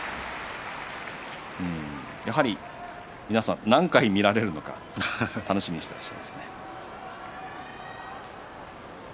やはり皆さん、何回見られるのか楽しみにしていますね。